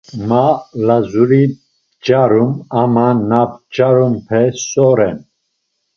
Ma Lazuri p̌ç̌arum ama na p̌ç̌arumpe so ren?